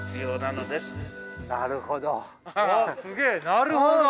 なるほど。